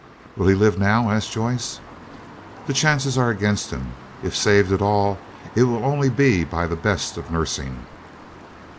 "Will he live now?" asked Joyce. "The chances are against him. If saved at all, it will only be by the best of nursing."